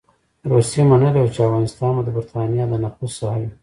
روسيې منلې وه چې افغانستان به د برټانیې د نفوذ ساحه وي.